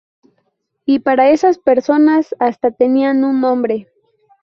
Y para esas personas hasta tenían un nombre.